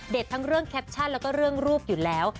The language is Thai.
ทั้งเรื่องแคปชั่นแล้วก็เรื่องรูปอยู่แล้ว